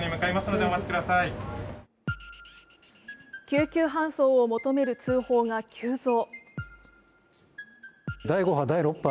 救急搬送を求める通報が急増。